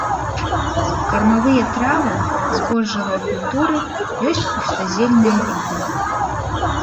Кармавыя травы, збожжавыя культуры, ёсць пустазельныя віды.